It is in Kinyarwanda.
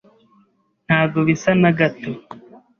Ntabwo bisa na gato.